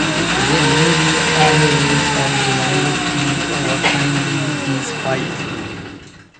There may be other ways of generating or kindling this fire.